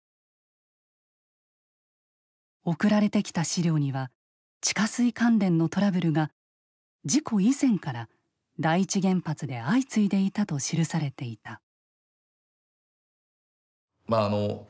送られてきた資料には地下水関連のトラブルが事故以前から第一原発で相次いでいたと記されていた。